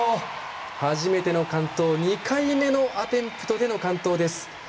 初めての完登、２回目のアテンプトでの完登です。